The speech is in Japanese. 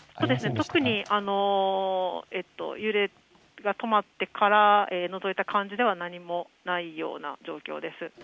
特に揺れが止まってからのぞいた感じでは何もないような状況です。